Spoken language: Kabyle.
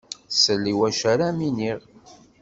Sell i wacu ara m-iniɣ.